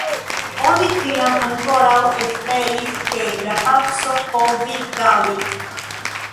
Oni tiam ankoraŭ esperis, ke la paco povis daŭri.